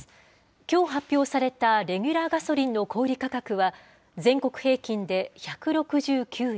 きょう発表されたレギュラーガソリンの小売り価格は、全国平均で１６９円。